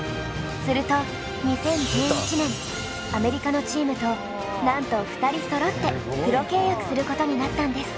すると２０１１年アメリカのチームとなんと２人そろってプロ契約することになったんです。